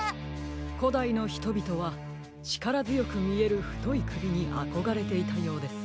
こだいのひとびとはちからづよくみえるふといくびにあこがれていたようです。